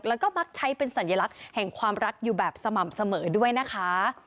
แล้วก็มักใช้เป็นสัญลักษณ์แห่งความรักอยู่แบบสม่ำเสมอด้วยนะคะ